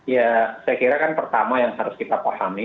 ya saya kira kan pertama yang harus kita pahami